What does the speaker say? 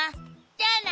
じゃあな！